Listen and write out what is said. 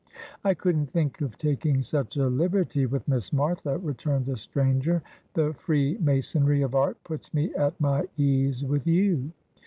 ' I couldn't think of taking such a liberty with Miss Martha,' returned the stranger ;' the freemasonry of art puts me at my ease with you.